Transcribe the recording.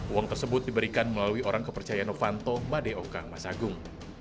uang tersebut diberikan melalui orang kepercayaan novanto madeoka masagung